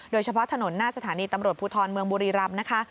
โดยเฉพาะถนนหน้าสถานีตำรวจภูทรเมืองบุรีรำนะคะ